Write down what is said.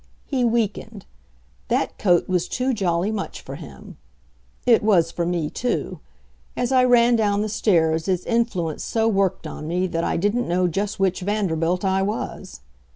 He weakened. That coat was too jolly much for him. It was for me, too. As I ran down the stairs, its influence so worked on me that I didn't know just which Vanderbilt I was.